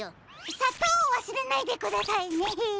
さとうをわすれないでくださいね。